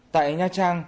tại nha trang